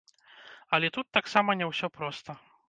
Але тут таксама не ўсё проста.